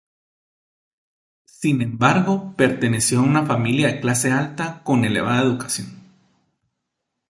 Sin embargo, perteneció a una familia de clase alta, con elevada educación.